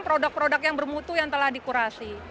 produk produk yang bermutu yang telah dikurasi